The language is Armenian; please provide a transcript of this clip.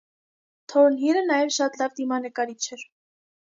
Թորնհիլը նաև շատ լավ դիմանկարիչ էր։